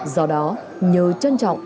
do đó nhờ trân trọng